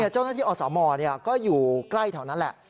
เจ้าหน้าที่อสมก็อยู่ใกล้แถวนั้นแหละ